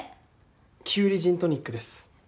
キュウリジントニックです。